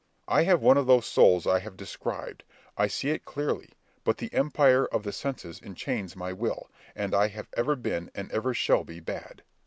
I have one of those souls I have described; I see it clearly; but the empire of the senses enchains my will, and I have ever been and ever shall be bad.